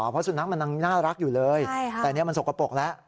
เพราะสุนัขมันยังน่ารักอยู่เลยแต่นี่มันสกปรกแล้ว